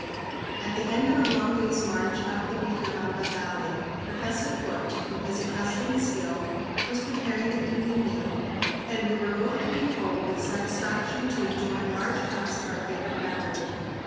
At the end of a long day's march up the Vilcabamba Valley, Professor Foote, with his accustomed skill, was preparing the evening meal and we were both looking forward with satisfaction to enjoying large cups of our favorite beverage.